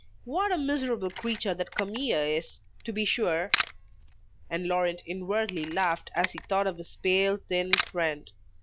What a miserable creature that Camille is, to be sure." And Laurent inwardly laughed as he thought of his pale, thin friend.